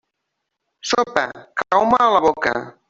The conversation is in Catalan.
Sopa, cau-me a la boca.